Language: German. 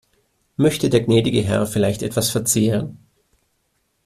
Möchte der gnädige Herr vielleicht etwas verzehren?